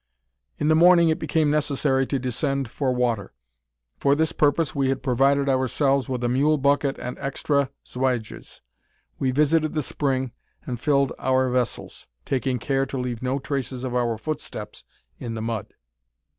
In the morning it became necessary to descend for water. For this purpose we had provided ourselves with a mule bucket and extra xuages. We visited the spring, and filled our vessels, taking care to leave no traces of out footsteps in the mud.